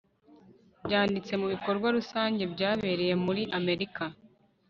byanditse mu bikorwa rusange byabereye muri amerika